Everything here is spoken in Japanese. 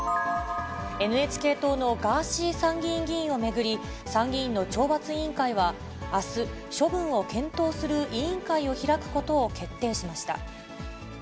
ＮＨＫ党のガーシー参議院議員を巡り、参議院の懲罰委員会は、あす、処分を検討する委員会を開くことを決定しました。